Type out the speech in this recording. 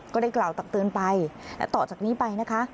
ก็ได้กล่าวตักเตือนไปและต่อจากนี้ไปนะคะ